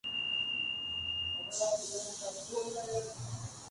Dedicó gran parte de su tiempo a la causa de la Prohibición.